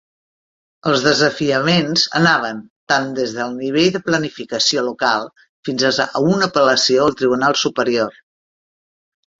Els desafiaments anaven tant des del nivell de planificació local fins a una apel·lació al Tribunal Superior.